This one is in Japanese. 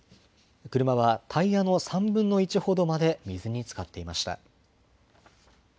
車はタイヤの３分の１ほどまで水につかっていました。